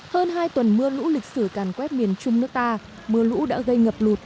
hơn hai tuần mưa lũ lịch sử càn quét miền trung nước ta mưa lũ đã gây ngập lụt